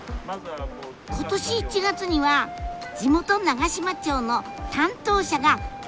今年１月には地元長島町の担当者が現場を訪問。